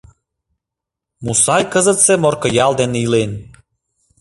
Мустай кызытсе Моркыял дене илен.